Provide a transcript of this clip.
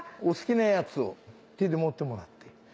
お好きなやつを手で持ってもらって。